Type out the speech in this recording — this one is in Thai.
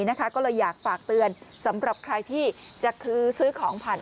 ก็เลยอยากฝากเตือนสำหรับใครที่จะซื้อของผ่าน